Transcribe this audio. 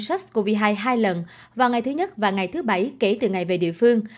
trách covid một mươi chín hai lần vào ngày thứ nhất và ngày thứ bảy kể từ ngày về địa phương